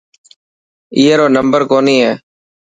اي رو نمبر ڪوني هي.